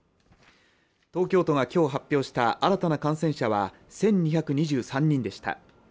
東京都が今日発表した新たな感染者は１２２３人でした。